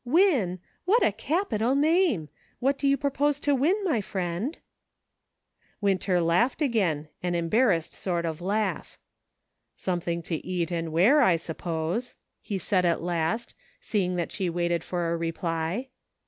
" Win ! What a capital name ! What do you propose to win, my friend }" Winter laughed again, an embarrassed sort of laugh. " Something to eat and wear, I suppose," he said at last, seeing that she waited for a reply.